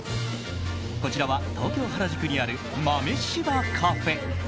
こちらは東京・原宿にある豆柴カフェ。